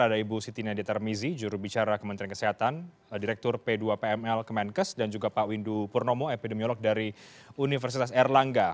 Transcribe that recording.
ada ibu siti nadia tarmizi jurubicara kementerian kesehatan direktur p dua pml kemenkes dan juga pak windu purnomo epidemiolog dari universitas erlangga